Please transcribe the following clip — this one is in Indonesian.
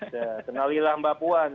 ya kenalilah bakpuan